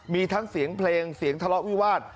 มีทั้งเสียงเพลงเสียงทะเลาะวิวาส